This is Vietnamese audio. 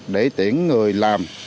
để tiễn người làm